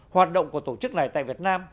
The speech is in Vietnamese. hoạt động của tổ chức này tại việt nam